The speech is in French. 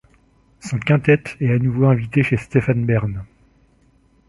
Son quintette est à nouveau invité chez Stéphane Bern.